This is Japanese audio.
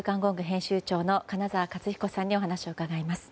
編集長の金沢克彦さんにお話を伺います。